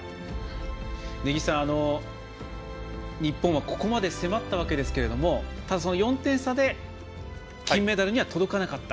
根木さん、日本はここまで迫ったわけですけれども４点差で金メダルには届かなかった。